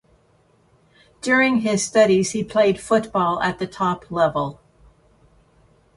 During his studies he played football at the top level.